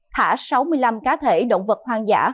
thả sáu mươi năm cá thể động vật hoang dã